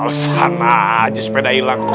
alasana aja sepeda hilang